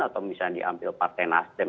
atau misalnya diambil partai nasdem